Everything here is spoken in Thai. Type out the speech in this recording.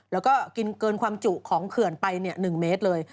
แล้วก็กินเกินความจุของเขื่อนไป๑เมตรเลย